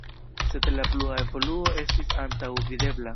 Sed la plua evoluo estis antaŭvidebla.